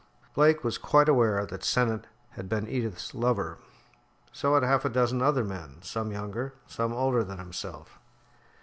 Blake was quite aware that Sennett had been Edith's lover. So had half a dozen other men, some younger, some older than himself.